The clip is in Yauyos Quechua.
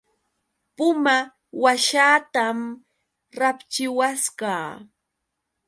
Puma washaatam rapchiwasqa.